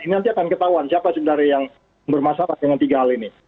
ini nanti akan ketahuan siapa sebenarnya yang bermasalah dengan tiga hal ini